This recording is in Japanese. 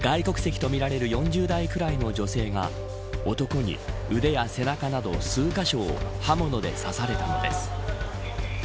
外国籍とみられる４０代くらいの女性が男に腕や背中など数カ所を刃物で刺されたのです。